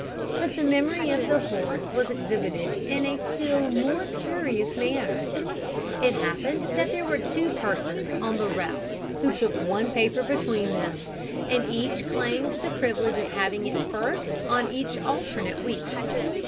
But the memory of the horse was exhibited in a still more curious manner. It happened that there were two persons on the route who took one paper between them, and each claimed the privilege of having it first on each alternate week.